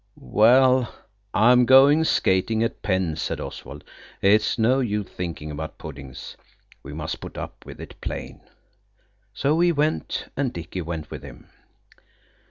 "Well, I'm going skating at Penn's," said Oswald. "It's no use thinking about puddings. We must put up with it plain." So he went, and Dicky went with him.